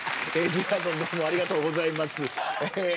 ジェラードンどうもありがとうございます。